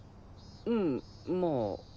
うんまあ。